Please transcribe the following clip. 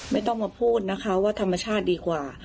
ไม่ต้องมาพูดนะคะว่าธรรมชาติดีกว่า